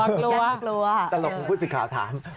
ตลกคุณผู้สิทธิ์ขาวถาม